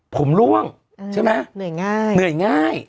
ผมล่วงใช่ไหมเหนื่อยง่ายเหนื่อยง่าย